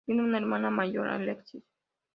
Tiene una hermana mayor, Alexis.